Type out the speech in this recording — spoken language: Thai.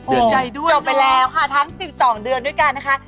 ดีใจด้วยจบไปแล้วค่ะทั้ง๑๒เดือนด้วยกันนะคะ